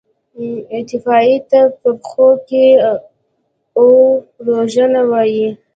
اطفائيې ته په پښتو کې اوروژنه وايي.